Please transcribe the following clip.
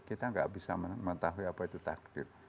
kita nggak bisa mengetahui apa itu takdir